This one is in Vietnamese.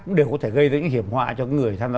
cũng đều có thể gây ra những hiểm họa cho người tham gia